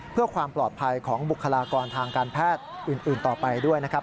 เพื่อความปลอดภัยของบุคลากรทางการแพทย์อื่นต่อไปด้วยนะครับ